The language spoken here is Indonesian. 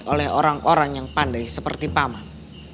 oleh orang orang yang pandai seperti paman